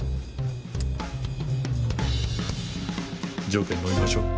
条件をのみましょう。